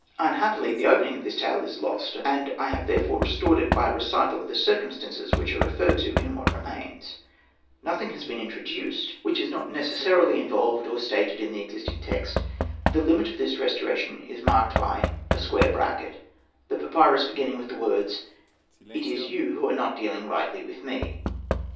Unhappily the opening of this tale is lost, and I have therefore restored it by a recital of the circumstances which are referred to in what remains. Nothing has been introduced Hosted by Google 120 SETNA AND THE MAGIC BOOK which is not necessarily involved or stated in the existing text. The limit of this restoration is marked by ]; the papyrus beginning with the words, ''It is you who are not dealing rightly with me."